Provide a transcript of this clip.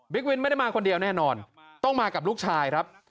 วินไม่ได้มาคนเดียวแน่นอนต้องมากับลูกชายครับ